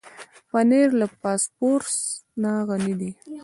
پنېر له فاسفورس نه غني دی.